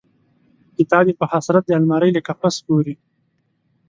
کتاب یې په حسرت د المارۍ له قفس ګوري